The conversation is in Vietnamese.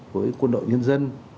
với quân đội nhân dân